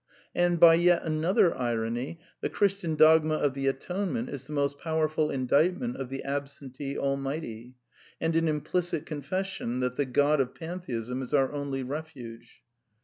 And, by yet another irony, the Christian dogma of the , Atonement is the most powerful indictment of the ab ^^oAi^entee Almighty, and an implicit confession that the God V of Pantheism is our only refuge.